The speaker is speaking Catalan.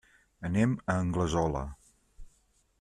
Anem a Anglesola.